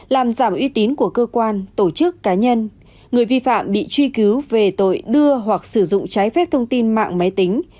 làm giảm uy tín của cơ quan tổ chức cá nhân người vi phạm bị truy cứu về tội đưa hoặc sử dụng trái phép thông tin mạng máy tính